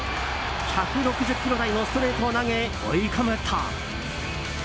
１６０キロ台のストレートを投げ追い込むと。